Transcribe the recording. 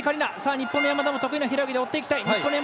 日本の山田も得意な平泳ぎで追っていきたい。